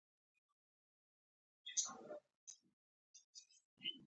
له کورنیو ستونزو فارغ نه وم.